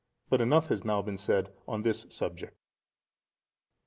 But enough has now been said on this subject.